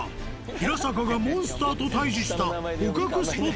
平坂がモンスターと対峙した。